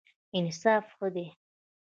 انصاف ښه دی.